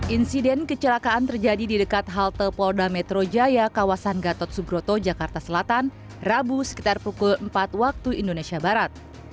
insiden kecelakaan terjadi di dekat halte polda metro jaya kawasan gatot subroto jakarta selatan rabu sekitar pukul empat waktu indonesia barat